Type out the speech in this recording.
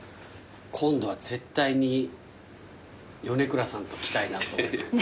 今度は絶対に米倉さんと来たいなと。